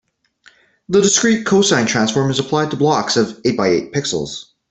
The discrete cosine transform is applied to blocks of eight by eight pixels.